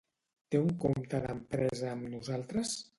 Té un compte d'empresa amb nosaltres?